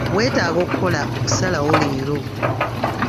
Weetaaga okukola okusalawo leero.